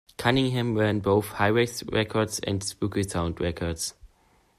Cunningham ran both Hyrax Records and Spookysound Records.